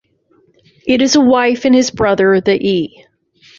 It is a wife and his brother, the E.